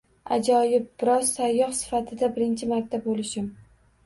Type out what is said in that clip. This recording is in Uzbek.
Ajoyib. Biroz sayyoh sifatida birinchi marta boʻlishim.